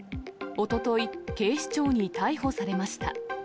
おととい、警視庁に逮捕されました。